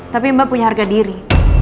tapi mbak punya harga diri